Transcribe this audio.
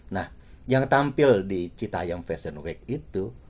nah yang tampil di cita yang fashion week itu